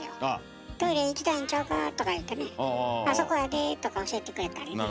「トイレ行きたいんちゃうか」とか言ってね「あそこやで」とか教えてくれたりね。